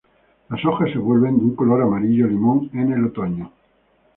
Las hojas se vuelven de un color amarillo limón en el otoño.